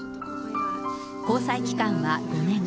交際期間は５年。